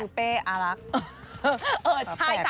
แล้วก็คล้ายเป็นผู้เป้อารัก